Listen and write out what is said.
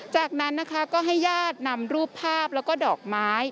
จากนั้นนะคะก็ให้ญาตินำรูปภาพแล้วก็ดอกไม้